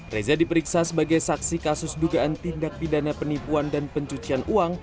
reza diperiksa sebagai saksi kasus dugaan tindak pidana penipuan dan pencucian uang